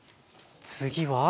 次は。